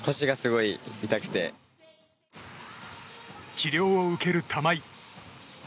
治療を受ける玉井。